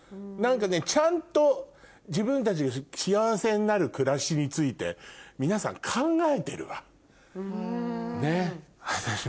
何かねちゃんと自分たちが幸せになる暮らしについて皆さん考えてるわ。